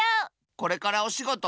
これからおしごと？